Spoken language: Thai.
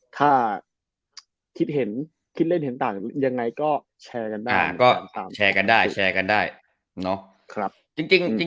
ถ้าคิดเห็นคิดเล่นเห็นต่างยังไงก็แชร์กันได้